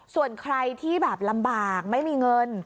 ส่วนใครที่แบบลำบากไม่มีเงิน